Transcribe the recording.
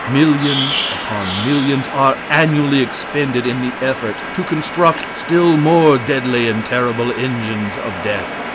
Millions upon millions are annually expended in the effort to construct still more deadly and terrible engines of death.